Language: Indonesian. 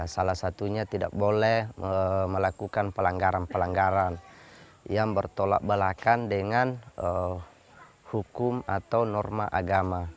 salah satunya tidak boleh melakukan pelanggaran pelanggaran yang bertolak belakang dengan hukum atau norma agama